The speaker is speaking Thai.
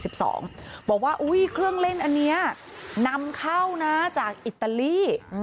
บอกว่าเครื่องเล่นอันนี้นำเข้านะจากอิตาลี